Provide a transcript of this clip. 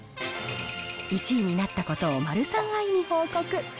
１位になったことをマルサンアイに報告。